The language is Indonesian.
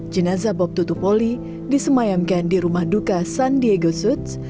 jenazah bob tutupoli disemayamkan di rumah duka san diego suits